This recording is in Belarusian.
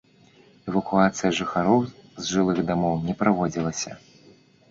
Эвакуацыя жыхароў з жылых дамоў не праводзілася.